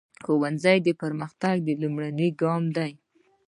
ښوونځی د پرمختګ لومړنی ګام دی.